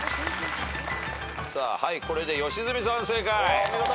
さあこれで良純さん正解。